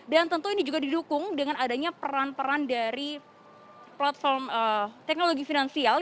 dan tentu ini juga didukung dengan adanya peran peran dari platform teknologi finansial